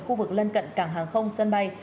khu vực lân cận cảng hàng không sân bay